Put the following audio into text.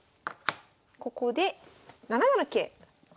ここで７七桂。